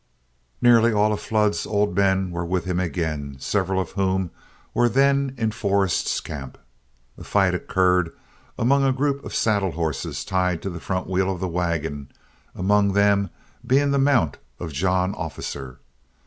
Nearly all of Flood's old men were with him again, several of whom were then in Forrest's camp. A fight occurred among a group of saddle horses tied to the front wheel of the wagon, among them being the mount of John Officer.